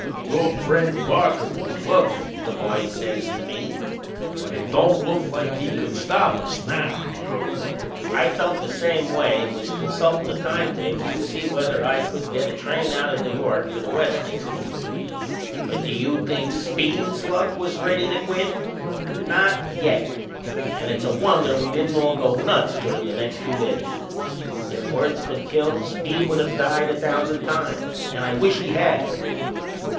"Your friend Parker is lucky," the boys says to me, "but it don't look like he could stop us now." I felt the same way and was consultin' the time tables to see whether I could get a train out o' New York for the West next evenin'. But do you think Speed's luck was ready to quit? Not yet! And it's a wonder we didn't all go nuts durin' the next few days. If words could kill, Speed would of died a thousand times. And I wish he had!